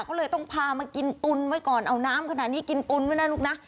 ก็เลยต้องพามากินตุนไว้ก่อนเอาน้ำขนาดนี้กินตุนไว้นะลูกนะ